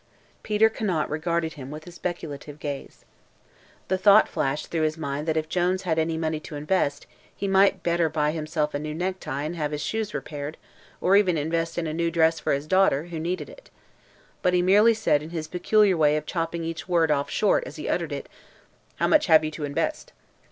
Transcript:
Peter Conant regarded him with a speculative gaze. The thought flashed through his mind that if Jones had any money to invest he might better buy himself a new necktie and have his shoes repaired, or even invest in a new dress for his daughter, who needed it. But he merely said in his peculiar way of chopping each word off short as he uttered it: "How much have you to invest?"